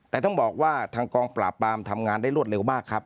แต่ต้องบอกว่าทางกองปราบปรามทำงานได้รวดเร็วมากครับ